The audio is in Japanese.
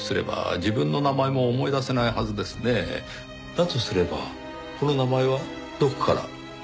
だとすればこの名前はどこから？